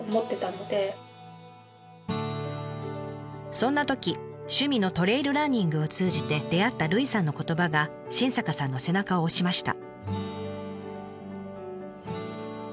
そんなとき趣味のトレイルランニングを通じて出会ったルイさんの言葉が新坂さんの背中を押しました。